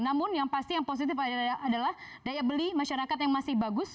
namun yang pasti yang positif adalah daya beli masyarakat yang masih bagus